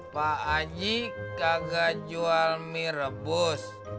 pak aji kagak jual mie rebus